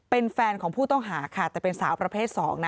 เป็นแฟนของผู้ต้องหาค่ะแต่เป็นสาวประเภท๒นะ